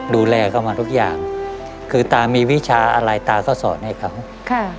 ดูแลเขามาทุกอย่างคือตามีวิชาอะไรตาก็สอนให้เขาค่ะ